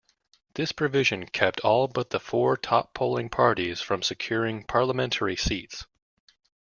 This provision kept all but the four top-polling parties from securing parliamentary seats.